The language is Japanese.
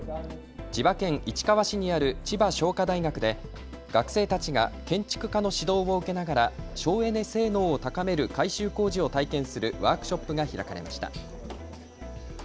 千葉県市川市にある千葉商科大学で学生たちが建築家の指導を受けながら省エネ性能を高める改修工事を体験するワークショップが開かれました。